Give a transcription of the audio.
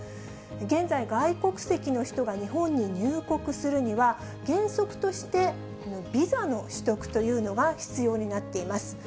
現在、外国籍の人が日本に入国するには、原則としてビザの取得というのが必要になっています。